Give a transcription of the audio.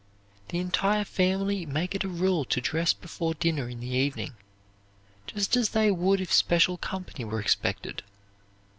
The entire family make it a rule to dress before dinner in the evening, just as they would if special company were expected.